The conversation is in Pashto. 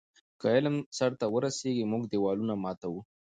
که علم سرته ورسیږي، موږ دیوالونه ماتوو.